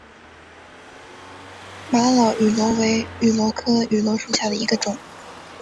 玛瑙芋螺为芋螺科芋螺属下的一个种。